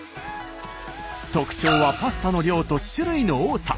特徴はパスタの量と種類の多さ。